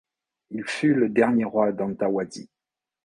Il fut le dernier roi d'Hanthawaddy.